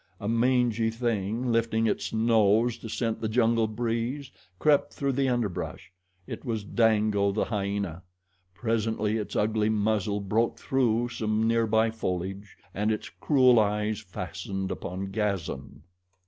A mangy thing, lifting its nose to scent the jungle breeze, crept through the underbrush. It was Dango, the hyena. Presently its ugly muzzle broke through some near by foliage and its cruel eyes fastened upon Gazan.